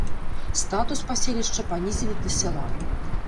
Статус паселішча панізілі да сяла.